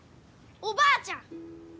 おばあちゃん！